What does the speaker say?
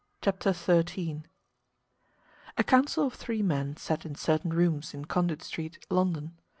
CHAPTER XIII A council of three men sat in certain rooms, in Conduit Street, London.